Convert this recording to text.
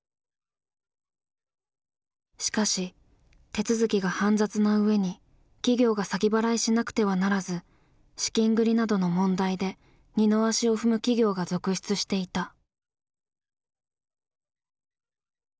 しかし手続きが煩雑なうえに企業が先払いしなくてはならず資金繰りなどの問題で二の足を踏む企業が続出していた。